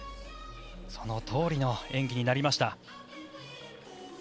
そのとおりの演技になりました。